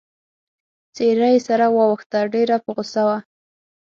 څېره يې سره واوښته، ډېره په غوسه وه.